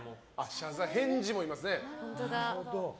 返事もいますね。